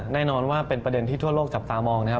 แน่นอนว่าเป็นประเด็นที่ทั่วโลกจับตามองนะครับ